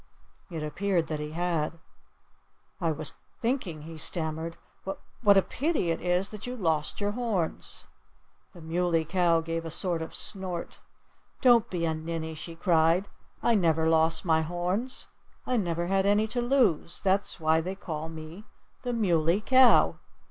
It appeared that he had. "I was thinking," he stammered, "what a pity it is that you lost your horns." The Muley Cow gave a sort of snort. "Don't be a ninny!" she cried. "I never lost my horns. I never had any to lose. That's why they call me the Muley Cow."